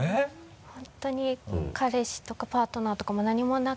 本当に彼氏とかパートナーとかも何もなく。